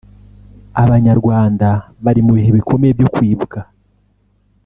Abanyarwanda bari mu bihe bikomeye byo kwibuka